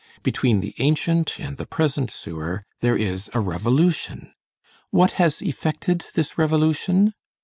Between the ancient and the present sewer there is a revolution. What has effected this revolution?